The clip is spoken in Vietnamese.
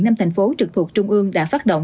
năm thành phố trực thuộc trung ương đã phát động